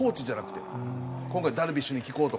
今回ダルビッシュに聞こうとか。